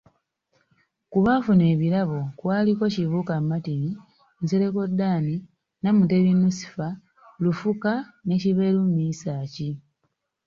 Ku baafuna ebirabo kwaliko; Kibuuka Martin, Nsereko Dan, Namutebi Nusifa, Lufuka ne Kiberu Misaaki.